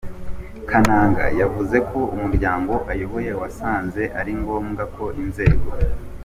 Kananga, yavuze ko umuryango ayoboye wasanze ari ngombwa ko inzego